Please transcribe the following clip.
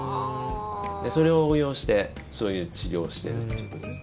それを応用してそういう治療をしているっていうことです。